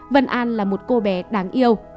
vân an là một cô bé đáng yêu